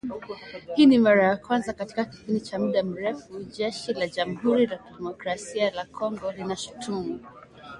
Hii ni mara ya kwanza katika kipindi cha muda mrefu Jeshi la Jamuhuri ya Demokrasia ya Kongo linashutumu